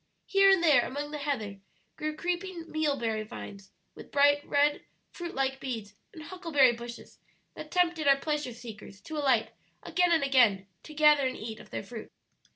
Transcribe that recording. Here and there among the heather grew creeping mealberry vines, with bright red fruit like beads, and huckleberry bushes that tempted our pleasure seekers to alight again and again to gather and eat of their fruit.